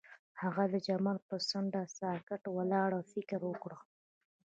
هغه د چمن پر څنډه ساکت ولاړ او فکر وکړ.